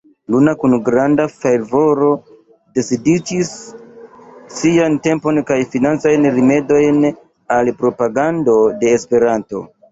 Luna kun granda fervoro dediĉis sian tempon kaj financajn rimedojn al propagando de Esperanto.